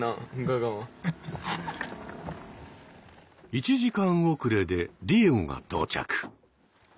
１時間遅れでディエゴが到着。